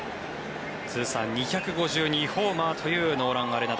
通算２５２ホーマーというノーラン・アレナド。